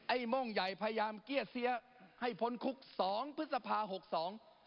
โม่งใหญ่พยายามเกลี้ยเสียให้พ้นคุกสองพฤษภาหกสอง